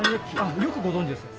よくご存じですね。